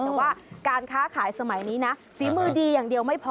แต่ว่าการค้าขายสมัยนี้นะฝีมือดีอย่างเดียวไม่พอ